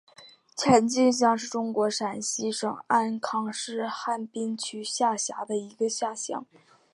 前进乡是中国陕西省安康市汉滨区下辖的一个乡。